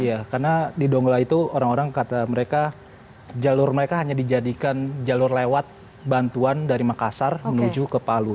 iya karena di donggala itu orang orang kata mereka jalur mereka hanya dijadikan jalur lewat bantuan dari makassar menuju ke palu